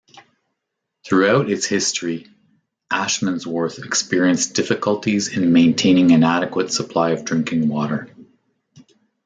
Throughout its history Ashmansworth experienced difficulties in maintaining an adequate supply of drinking water.